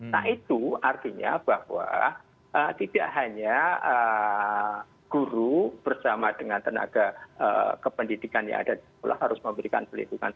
nah itu artinya bahwa tidak hanya guru bersama dengan tenaga kependidikan yang ada di sekolah harus memberikan perlindungan